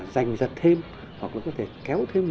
giành giật thêm hoặc là có thể kéo thêm